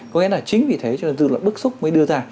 có nghĩa là chính vì thế dư luận đức xúc mới đưa ra